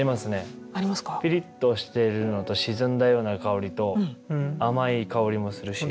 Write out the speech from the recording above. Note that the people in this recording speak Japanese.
ピリッとしてるのと沈んだような香りと甘い香りもするし。